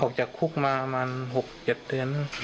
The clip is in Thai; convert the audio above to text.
ออกจากคุกมาประมาณ๖๗เดือน